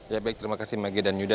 ya baik terima kasih maggie dan yuda